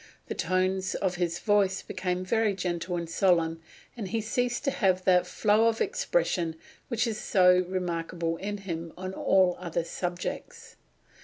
The tones of his voice become very gentle and solemn, and he ceases to have that flow of expression which is so remarkable in him on all other subjects."